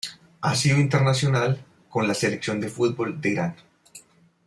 Ha sido internacional con la selección de fútbol de Irán.